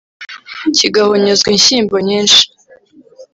kigahonyozwa inshyimbo nyinshi